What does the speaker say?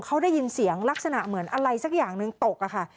เขาได้ยินเสียงลักษณะเหมือนอะไรสักอย่างหนึ่งตกอะค่ะ